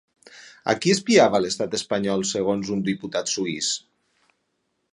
A qui espiava l'estat espanyol segons un diputat suïs?